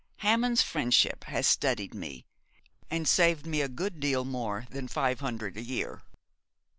Hammond's friendship has steadied me, and saved me a good deal more than five hundred a year.'